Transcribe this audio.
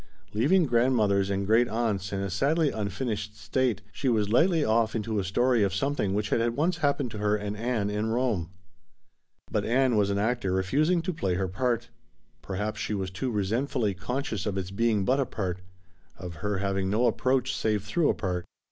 Leaving grandmothers and great aunts in a sadly unfinished state she was lightly off into a story of something which had once happened to her and Ann in Rome. But Ann was as an actor refusing to play her part. Perhaps she was too resentfully conscious of its being but a part of her having no approach save through a part.